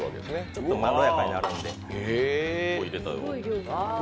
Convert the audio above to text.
ちょっとまろやかになるんで。